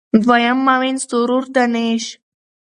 دویم معاون سرور دانش